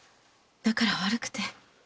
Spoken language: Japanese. だから悪くて。